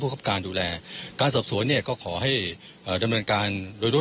ได้รับรายงานจากร้อยเวนเนี่ยนะครับว่าพบเขาหมดสติอยู่